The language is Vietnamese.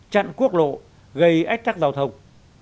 chặn quốc lộ gây ách trắc giao thông